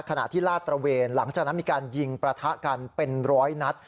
ขณะที่ลาดตระเวนหลังจากนั้นมีการยิงประทะกันเป็นร้อยนัด